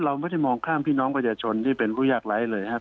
เราไม่ได้มองข้ามพี่น้องประชาชนที่เป็นผู้ยากไร้เลยครับ